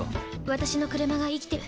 私の車が生きてる。